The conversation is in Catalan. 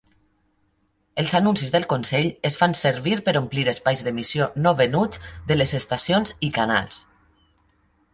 Els anuncis del consell es fan servir per omplir espais d'emissió no venuts de les estacions i canals.